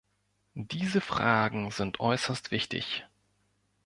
Diese Fragen sind äußerst wichtig.